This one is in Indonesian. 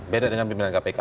beda dengan pimpinan kpk